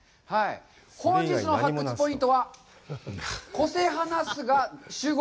本日の発掘ポイントは、「個性派ナスが集合！